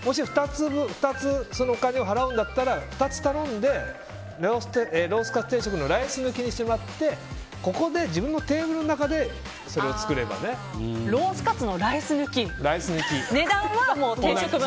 ２つお金を払うんだったら２つ頼んで、ロースカツ定食のライス抜きにしてもらってここで自分のテーブルの中でロースカツのライス抜きと。